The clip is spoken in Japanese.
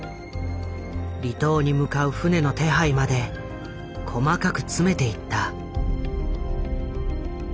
離島に向かう船の手配まで細かく詰めていった。